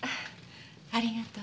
ありがとう。